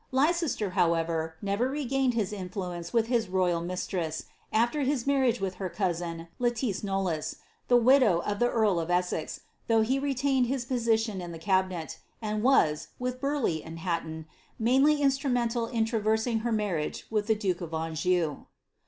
* Leicester, however, never regained his influence with his royal mistress after his marriage with her cousin, Letlice Knollys, the vhIow of the earl of Essex, though he retained his place in the cabinet, ifld was, with Burleigh and Ilatton, mainly instrumental in traversing ker marriage with the duke of Anjou.